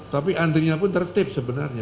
tapi antrinya pun tertip sebenarnya